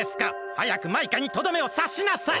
はやくマイカにとどめをさしなさい！